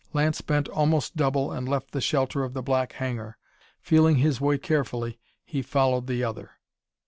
Lance bent almost double and left the shelter of the black hangar. Feeling his way carefully, he followed the other.